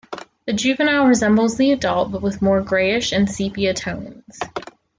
The juvenile resembles the adult but with more greyish and sepia tones.